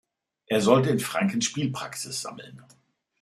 Er sollte in Franken Spielpraxis sammeln.